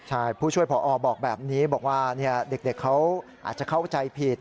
ใช่ผู้ช่วยพอบอกแบบนี้บอกว่าเด็กเขาอาจจะเข้าใจผิด